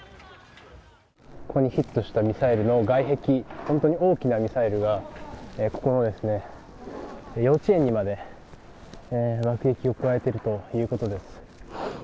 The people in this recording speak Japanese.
ここにヒットしたミサイルの外壁、本当に大きなミサイルが、ここの幼稚園にまで爆撃を加えているということです。